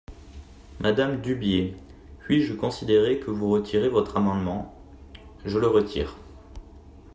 Madame Dubié, puis-je considérer que vous retirez votre amendement ? Je le retire.